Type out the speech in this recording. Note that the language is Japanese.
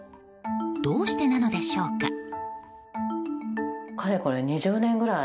どうしてなのでしょうか。